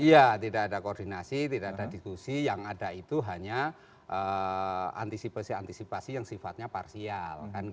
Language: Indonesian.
iya tidak ada koordinasi tidak ada diskusi yang ada itu hanya antisipasi antisipasi yang sifatnya parsial